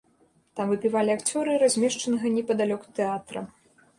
Там выпівалі акцёры размешчанага непадалёк тэатра.